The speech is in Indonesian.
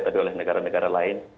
tapi oleh negara negara lain